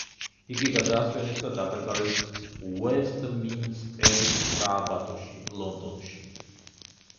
იგი გადაასვენეს და დაკრძალეს უესტმინსტერის სააბატოში, ლონდონში.